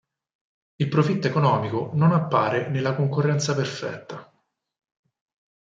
Il profitto economico non appare nella concorrenza perfetta.